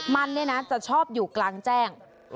มันเนี่ยนะจะชอบอยู่กลางแจ้ง